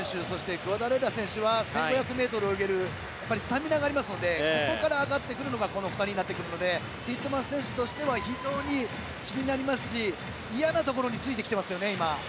クアダレッラ選手は１５００ｍを泳げるスタミナがあるのでここから上がってくるのがこの２人なのでティットマス選手としては非常に気になりますし嫌なところについてきていますよね、今。